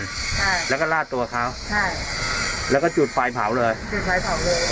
ใช่แล้วก็ลาดตัวเขาใช่แล้วก็จุดไฟเผาเลยจุดไฟเผาเลย